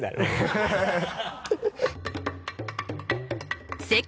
ハハハ